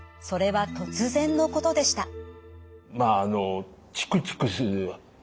それは突然のことでした。